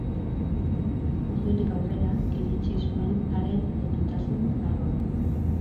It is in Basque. Ordutik aurrera iritsi zuen haren heldutasun aroa.